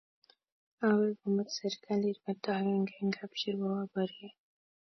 Agoi komut serikalit werto agenge eng' kapchii kowo boriet